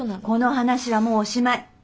この話はもうおしまい。